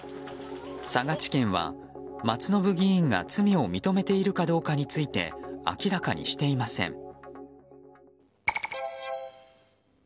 佐賀地検は、松信議員が罪を認めているかどうかについて明らかにしていません。